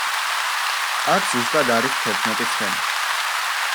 აქ ზუსტად არის თერთმეტი ცხენი.